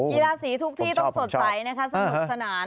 กีฬาสีทุกที่ต้องสดใสนะคะสนุกสนาน